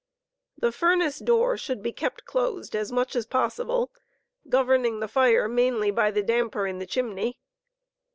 The furnace*door should be kept closed as much as possible, governing the fire mainly by the damper in tht chimney.